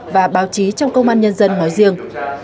và báo chí trong công an nhân dân nói riêng